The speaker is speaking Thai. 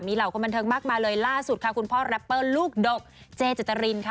เหล่าคนบันเทิงมากมายเลยล่าสุดค่ะคุณพ่อแรปเปอร์ลูกดกเจเจตรินค่ะ